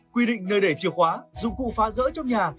quy định nơi để chìa khóa dụng cụ phá rỡ trong nhà